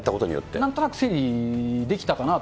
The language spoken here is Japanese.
なんとなく整理できたかなと。